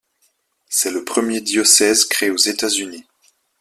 C'est le premier diocèse créé aux États-Unis.